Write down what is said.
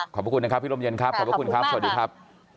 ขอบคุณนะครับพี่รมเย็นครับขอบพระคุณครับสวัสดีครับ